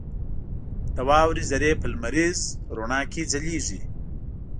• د واورې ذرې په لمریز رڼا کې ځلېږي.